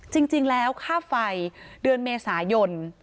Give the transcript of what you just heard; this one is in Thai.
จริงแล้วค่าไฟเดือนเมษายน